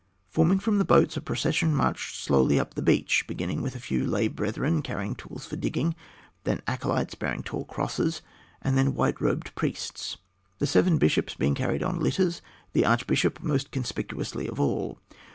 Forming from the boats, a procession marched slowly up the beach, beginning with a few lay brethren, carrying tools for digging; then acolytes bearing tall crosses; and then white robed priests; the seven bishops being carried on litters, the archbishop most conspicuously of all.